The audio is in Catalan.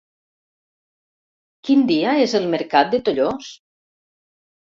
Quin dia és el mercat de Tollos?